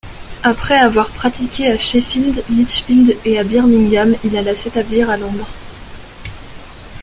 Après avoir pratiqué à Sheffield, Lichfield et à Birmingham, il alla s’établir à Londres.